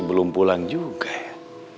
belum pulang juga ya